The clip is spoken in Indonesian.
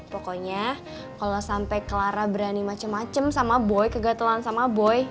pokoknya kalau sampai clara berani macem macem sama boy kegatelan sama boy